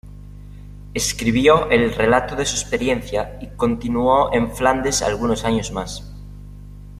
Escribió el relato de su experiencia y continuó en Flandes algunos años más.